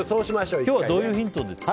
今日はどういうヒントですか？